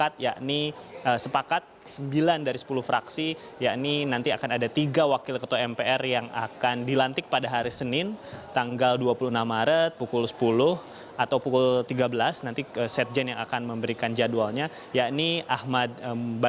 titi soeharto menjawab